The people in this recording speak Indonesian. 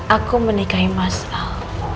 aku menikahi mas al